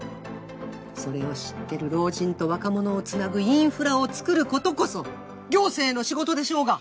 それを知ってる老人と若者をつなぐインフラをつくることこそ行政の仕事でしょうが。